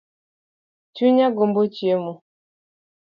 Chunya gombo chiemo